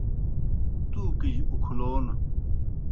تُوکِجیْ اُکھلون